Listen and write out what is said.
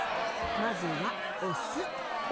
まずはお酢。